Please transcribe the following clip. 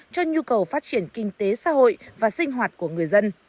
cho nhu cầu phát triển kinh tế xã hội và sinh hoạt của người dân